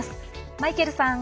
マイケルさん！